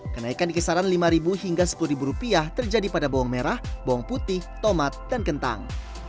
kenaikan di kisaran lima ribu hingga sepuluh ribu rupiah terjadi pada bawang merah bawang putih tomat dan kentang